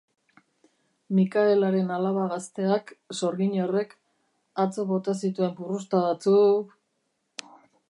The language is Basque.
Mikaelaren alaba gazteak, sorgin horrek, atzo bota zituen purrusta batzuk...